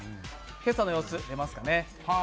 今朝の様子、出ますかね。